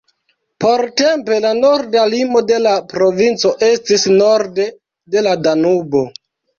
Portempe, la norda limo de la provinco estis norde de la Danubo.